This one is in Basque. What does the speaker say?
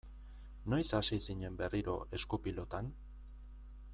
Noiz hasi zinen berriro esku-pilotan?